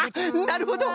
なるほど！